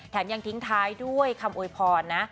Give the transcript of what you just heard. แถมยังทิ้งท้ายด้วยคำโอไยโพน